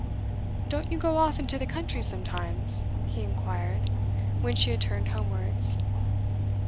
'Don't you go off into the country sometimes?' he inquired, when she had turned homewards.